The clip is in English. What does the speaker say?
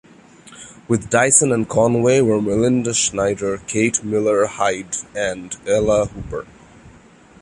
With Dyson and Conway were Melinda Schneider, Kate Miller-Heidke and Ella Hooper.